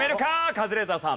カズレーザーさん。